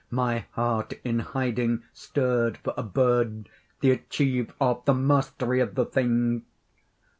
My heart in hiding Stirred for a bird, the achieve of, the mastery of the thing!